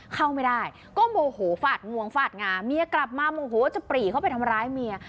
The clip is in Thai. เข้าไม่ได้ก็โมโหฟาดงวงฟาดงาเมียกลับมาโมโหจะปรีเข้าไปทำร้ายเมีย